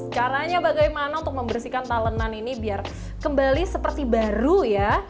caranya bagaimana untuk membersihkan talenan ini biar kembali seperti baru ya